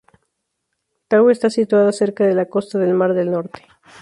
Tau está situada cerca de la costa del Mar del Norte.